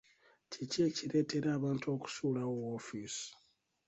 Kiki ekireetera abantu okusuulawo woofiisi?